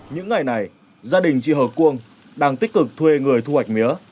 những ngày này gia đình chị hờ cuông đang tích cực thuê người thu hoạch mía